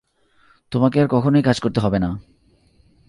তোমাকে আর কখনোই কাজ করতে হবে না!